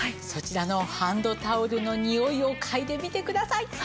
そちらのハンドタオルのにおいを嗅いでみてください。